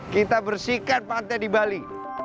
kita bersihkan pantai di bali